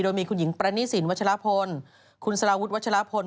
โดยมีคุณหญิงปรณีสินวัชลพลคุณสลาวุฒิวัชลพล